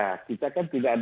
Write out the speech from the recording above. ya kita kan sudah siap